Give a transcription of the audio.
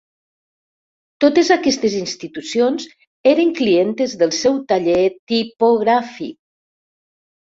Totes aquestes institucions eren clientes del seu taller tipogràfic.